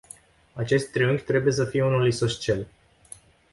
Acest triunghi trebuie să fie unul isoscel.